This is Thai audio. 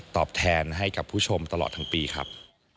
ตอบแทนให้กับผู้ชมตลอดทั้งปีครับ